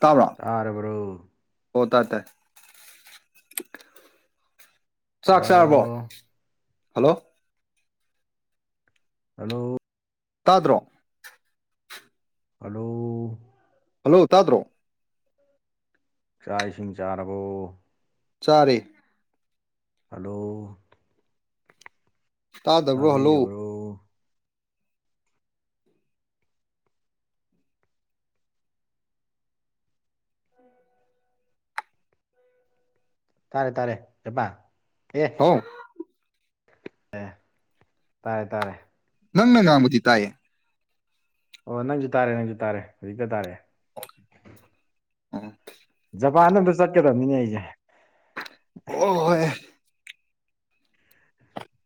ꯇꯥꯕꯥ ꯇꯥꯔꯔꯕꯔꯣ ꯑꯣꯇꯥ ꯇ ꯆꯥꯛ ꯍꯜꯂꯣ ꯆꯥꯔꯕꯣ ꯍꯜꯂꯣ ꯍꯜꯂꯣ ꯇꯥꯗ꯭ꯔꯣ ꯍꯂꯣ ꯍꯜꯂꯣ ꯇꯥ꯭ꯔꯣ ꯆꯥꯛ ꯏꯁꯤꯡ ꯆꯥꯔꯕ ꯆꯔꯦ ꯍꯂꯣ ꯇꯥꯗꯕ꯭ꯔꯣ ꯍꯜꯂꯣ ꯇꯥꯕꯤꯔꯕ꯭ꯔꯣ ꯇꯥꯔꯦ ꯇꯥꯔꯦ ꯆꯄ ꯑꯦ ꯍꯥꯎ ꯑꯦ ꯇꯥꯔꯦ ꯇꯥꯔꯦ ꯅꯪꯅ ꯉꯥꯡꯕꯗꯤ ꯇꯥꯏꯌꯦ ꯑꯣ ꯅꯪꯁꯨ ꯇꯥꯔꯦ ꯅꯪꯁꯨ ꯇꯥꯔꯦ ꯍꯧꯖꯤꯛꯇ ꯇꯥꯔꯑꯦ ꯑ ꯖꯄꯥꯟꯗ ꯑꯝꯇ ꯆꯠꯀꯗꯕꯅꯤꯅꯦ ꯑꯩꯁꯦ ꯑꯣ ꯍꯣꯏ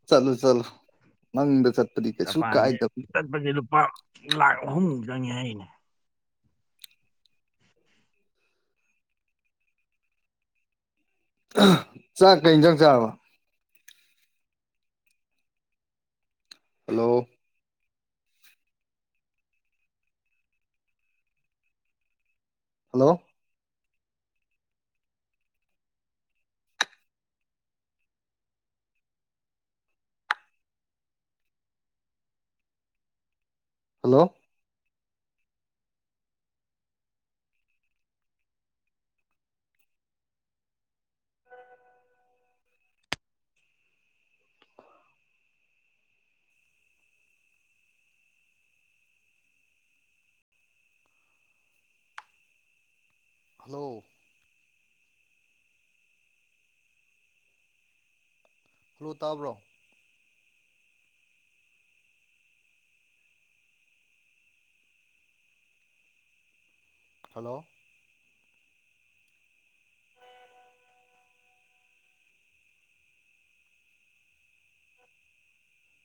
ꯆꯂꯨ ꯆꯂ ꯃꯪ ꯆꯇ꯭ꯔꯤ ꯖꯄꯥꯟꯁꯦ ꯆꯠꯄꯁꯦ ꯂꯨꯄꯥ ꯂꯥꯛ ꯑꯍꯨꯝꯃꯨꯛ ꯆꯪꯉꯦ ꯍꯥꯏꯅꯦ ꯆꯥꯛꯀ ꯌꯦꯟꯖꯥꯡ ꯆꯥꯔꯕ hello hello hello hello hello ꯇꯥꯕ꯭ꯔꯣ ꯍꯜꯂꯣ